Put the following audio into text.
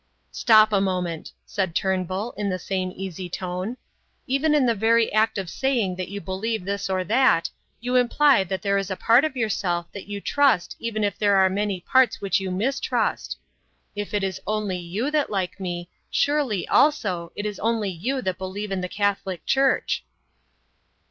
"Stop a moment," said Turnbull, in the same easy tone, "Even in the very act of saying that you believe this or that, you imply that there is a part of yourself that you trust even if there are many parts which you mistrust. If it is only you that like me, surely, also, it is only you that believe in the Catholic Church."